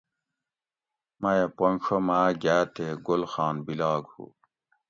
میہ پونج ڛو ماۤ گاۤ تے گل خان بِلاگ ہُو